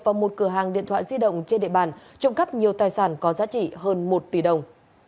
vào một cửa hàng điện thoại di động trên địa bàn trộm cắp nhiều tài sản có giá trị hơn một tỷ đồng